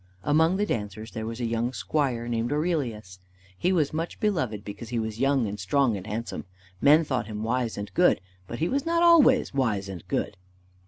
Among the dancers there was a young squire named Aurelius. He was much beloved because he was young, and strong, and handsome. Men thought him wise and good, but he was not always wise and good.